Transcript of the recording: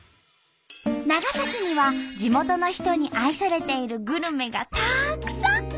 長崎には地元の人に愛されているグルメがたくさん！